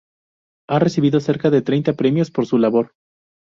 Ha recibido cerca de treinta premios por su labor.